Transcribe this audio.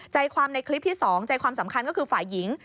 ใจความในคลิปที่๒ใจความสำคัญก็คือฝ่ายหญิง